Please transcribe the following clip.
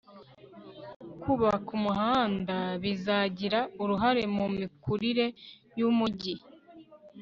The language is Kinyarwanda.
kubaka umuhanda bizagira uruhare mu mikurire yumujyi